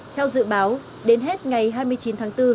theo dự báo đến hết ngày hai mươi chín tháng bốn